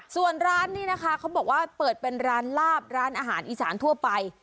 ส่วนร้านนี้นะคะเขาบอกว่าเปิดเป็นร้านลาบร้านอาหารอีสานทั่วไป